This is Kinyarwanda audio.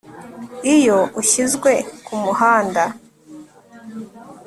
iyo ushyizwe kumuhanda